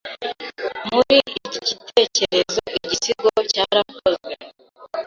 Muri iki cyitegererezo igisigo cyarakozwe